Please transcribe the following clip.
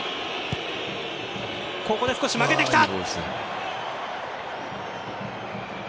ここで少し曲げてきた。